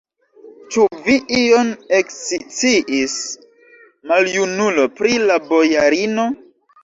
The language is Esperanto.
Ĉu vi ion eksciis, maljunulo, pri la bojarino?